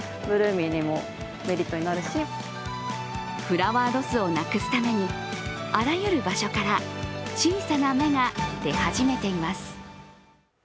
フラワーロスをなくすためにあらゆる場所から小さな芽が出始めています。